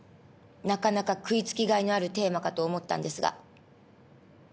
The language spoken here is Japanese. なかなか食い付きがいのあるテーマかと思ったんですが。